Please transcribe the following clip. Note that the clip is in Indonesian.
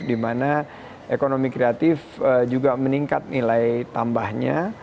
dimana ekonomi kreatif juga meningkat nilai tambahnya